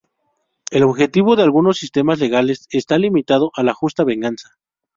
El objetivo de algunos sistemas legales está limitado a la "justa" venganza.